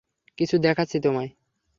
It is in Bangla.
কিছু দেখাচ্ছি তোমায়।